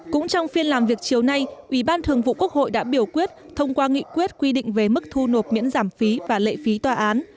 cũng trong phiên làm việc chiều nay ủy ban thường vụ quốc hội đã biểu quyết thông qua nghị quyết quy định về mức thu nộp miễn giảm phí và lệ phí tòa án